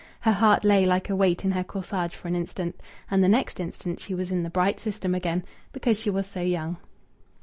Her heart lay like a weight in her corsage for an instant, and the next instant she was in the bright system again, because she was so young.